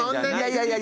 いやいや。